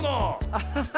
アッハハ！